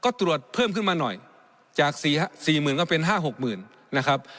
ก็ตรวจเพิ่มขึ้นมาหน่อยจากสี่หมื่นก็เป็น๕๖๐๐๐นะครับ